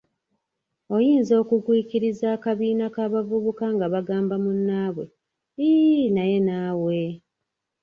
Oyinza okugwikiriza akabiina k'abavubuka nga bagamba munnnaabwe " Iiii naye naawe"